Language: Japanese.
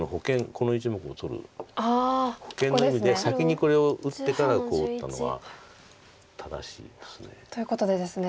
この１目を取る保険の意味で先にこれを打ってからこう打ったのは正しいんです。ということでですね